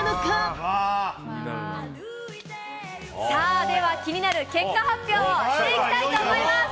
さあ、では気になる結果発表をしていきたいと思います。